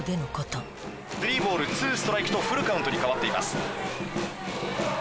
スリーボールツーストライクとフルカウントに変わっています。